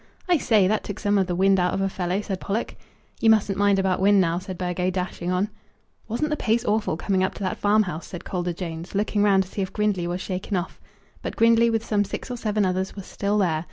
"I say, that took some of the wind out of a fellow," said Pollock. "You mustn't mind about wind now," said Burgo, dashing on. "Wasn't the pace awful, coming up to that farmhouse?" said Calder Jones, looking round to see if Grindley was shaken off. But Grindley, with some six or seven others, was still there.